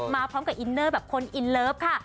มาพร้อมกับอินเนอร์แบบคนอินเลิฟค่ะ